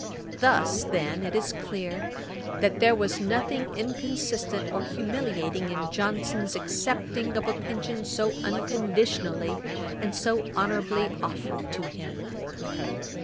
Thus, then, it is clear, that there was nothing inconsistent or humiliating in Johnson's accepting of a pension so unconditionally and so honourably offered to him.